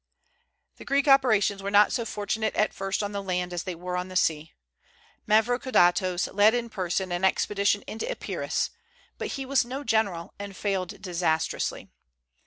The Greek operations were not so fortunate at first on the land as they were on the sea. Mavrokordatos led in person an expedition into Epirus; but he was no general, and failed disastrously.